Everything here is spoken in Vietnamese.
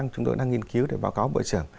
chúng tôi đang nghiên cứu để báo cáo bộ trưởng